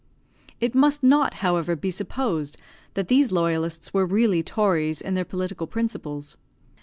It must not, however, be supposed that these loyalists were really tories in their political principles.